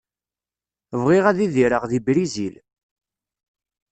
Bɣiɣ ad idireɣ deg Brizil.